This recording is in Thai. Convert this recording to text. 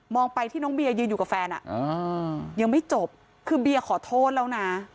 ไปที่น้องเบียยืนอยู่กับแฟนอ่ะอ่ายังไม่จบคือเบียร์ขอโทษแล้วนะ